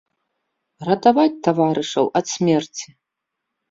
Ратаваць таварышаў ад смерці!!